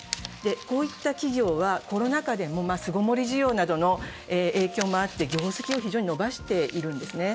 こういった企業はコロナ禍でも巣ごもり需要などの影響もあって業績を非常に伸ばしているんですね。